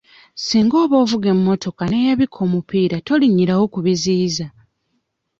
Singa oba ovuga emmotoka n'eyabika omupiira tolinnyirawo ku biziyiza.